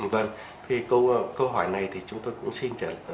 vâng thì câu hỏi này thì chúng tôi sẽ đưa ra một số những địa chỉ của cơ sở y tế lớn